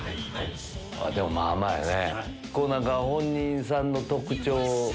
でもまぁまぁやね。